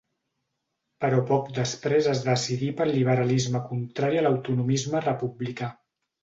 Però poc després es decidí pel liberalisme contrari a l'autonomisme republicà.